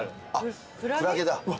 クラゲだ。